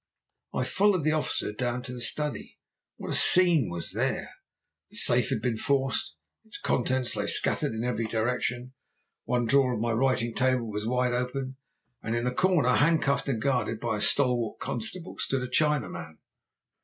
"I followed the officer down to the study. What a scene was there! The safe had been forced, and its contents lay scattered in every direction. One drawer of my writing table was wide open, and in a corner, handcuffed, and guarded by a stalwart constable, stood a Chinaman.